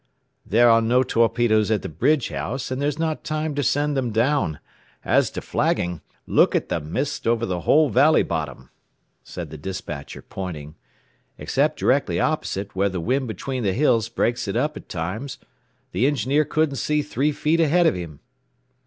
"There are no torpedoes at the bridge house, and there's not time to send them down. As to flagging look at the mist over the whole valley bottom," said the despatcher pointing. "Except directly opposite, where the wind between the hills breaks it up at times, the engineer couldn't see three feet ahead of him."